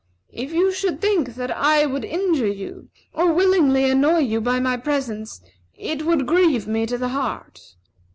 If you should think that I would injure you, or willingly annoy you by my presence, it would grieve me to the heart."